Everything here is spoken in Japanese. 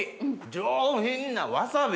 上品なわさび！